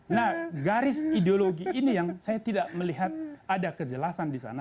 nah garis ideologi ini yang saya tidak melihat ada kejelasan di sana